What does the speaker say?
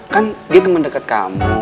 kan dia temen deket kamu